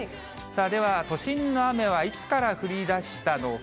では、都心の雨はいつから降りだしたのか。